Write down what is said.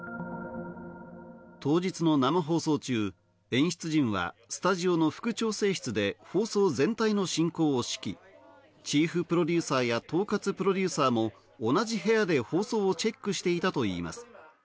当日の生放送中、演出陣はスタジオの副調整室で放送全体の進行を指揮、チーフプロデューサーや統轄プロデューサーも同じ部屋で放送をチェックしていたといいます。